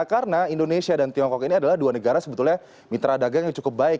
karena indonesia dan tiongkok ini adalah dua negara mitra dagang yang cukup baik